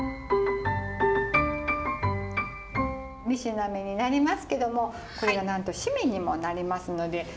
三品目になりますけどもこれがなんと〆にもなりますので。